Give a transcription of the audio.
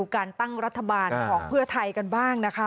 การตั้งรัฐบาลของเพื่อไทยกันบ้างนะคะ